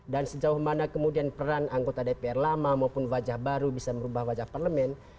dan sejauh mana kemudian peran anggota dpr lama maupun wajah baru bisa merubah wajah parlemen